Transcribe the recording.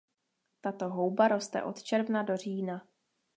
Tato houba roste od června do října.